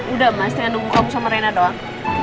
udah mas tinggal nunggu kamu sama rena doang